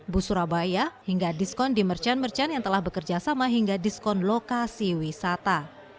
busurabaya hingga diskon di mercan mercan yang telah bekerja sama hingga diskon lokasi wisata